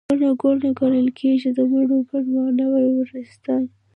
ګڼه ګوڼه، ګڼل کيږي، د مڼو بڼ، واڼه وزيرستان